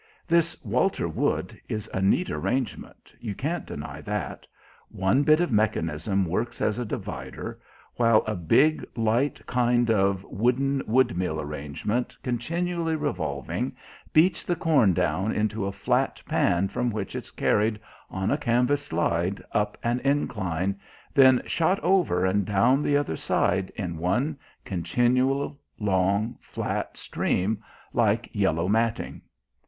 This "Walter Wood" is a neat arrangement, you can't deny that; one bit of mechanism works as a divider, while a big, light kind of wooden windmill arrangement, continually revolving, beats the corn down into a flat pan from which it's carried, on a canvas slide, up an incline, then shot over and down the other side in one continual long, flat stream like yellow matting.